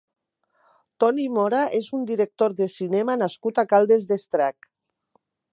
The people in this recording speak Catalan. Toni Mora és un director de cinema nascut a Caldes d'Estrac.